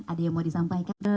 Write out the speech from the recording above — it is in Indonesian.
ada yang mau disampaikan